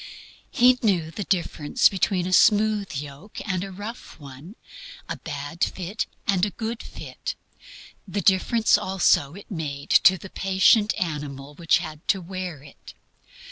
He knew the difference between a smooth yoke and a rough one, a bad fit and a good fit; the difference also it made to the patient animal which had to wear it.